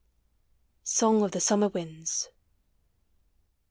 SONG OF THE SUMMER WINDS.